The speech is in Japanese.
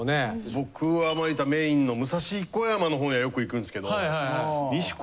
僕はメインの武蔵小山のほうへはよく行くんですけど。